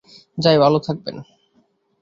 যাই, ভালো থাকবেন।